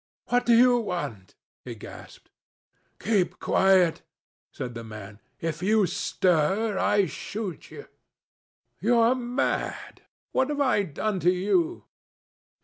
"What do you want?" he gasped. "Keep quiet," said the man. "If you stir, I shoot you." "You are mad. What have I done to you?"